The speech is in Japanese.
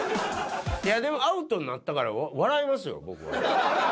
でも、アウトになったから笑いますよ、僕は。